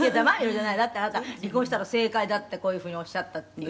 「だってあなた“離婚したの正解だ”ってこういう風におっしゃったっていう」